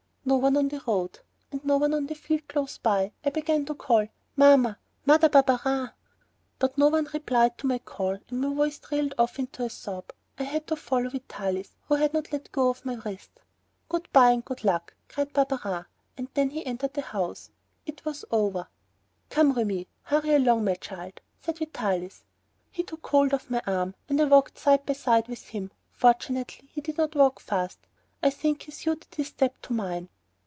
No one on the road, and no one in the field close by. I began to call: "Mamma ... Mother Barberin!" But no one replied to my call, and my voice trailed off into a sob. I had to follow Vitalis, who had not let go of my wrist. "Good by and good luck," cried Barberin. Then he entered the house. It was over. "Come, Remi, hurry along, my child," said Vitalis. He took hold of my arm and I walked side by side with him. Fortunately he did not walk fast. I think he suited his step to mine.